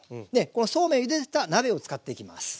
このそうめんをゆでた鍋を使っていきます。